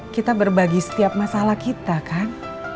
kita berbagi setiap masalah kita kan